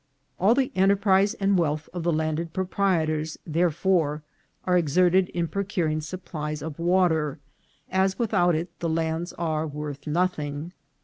All the enterprise and wealth of the landed proprietors, there fore, are exerted in procuring supplies of water, as with out it the lands are worth nothing.